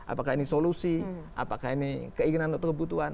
apakah ini solusi apakah ini keinginan atau kebutuhan